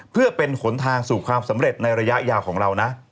เพื่อเป็นหนทางสู่ความสำเร็จในระยะยาวของเรานะ